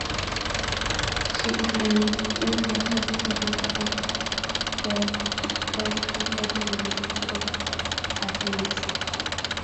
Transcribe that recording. She is an Emeritus Professor of Psychiatry at the University of Athens.